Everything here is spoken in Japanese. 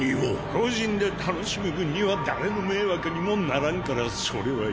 個人で楽しむ分には誰の迷惑にもならんからそれはいい。